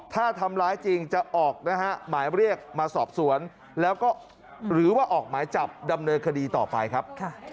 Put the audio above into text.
ถ้าทำร้ายจริงจะออกนะฮะหมายเรียกมาสอบสวนแล้วก็หรือว่าออกหมายจับดำเนินคดีต่อไปครับ